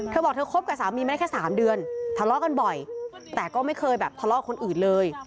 เธอบอกเธอคบกับสามีมาได้แค่๓เดือนทะเลาะกันบ่อยแต่ก็ไม่เคยแบบทะเลาะคนอื่นเลย